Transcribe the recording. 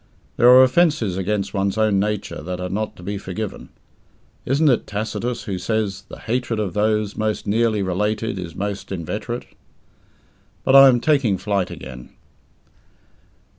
There are offences against one's own nature that are not to be forgiven. Isn't it Tacitus who says "the hatred of those most nearly related is most inveterate"? But I am taking flight again.